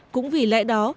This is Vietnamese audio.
cũng vì lẽ đó